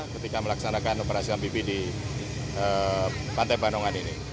ketika melaksanakan operasi amfibi di perang